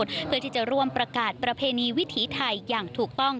เพื่อที่จะร่วมประกาศประเพณีวิถีไทยอย่างถูกต้อง